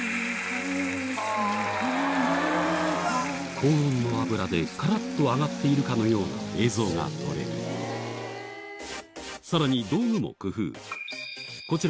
高温の油でカラっと揚がっているかのような映像が撮れるさらに道具も工夫